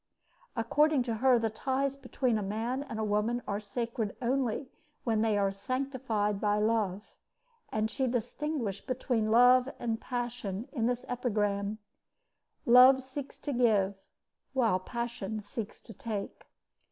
According to her, the ties between a man and a woman are sacred only when they are sanctified by love; and she distinguished between love and passion in this epigram: Love seeks to give, while passion seeks to take.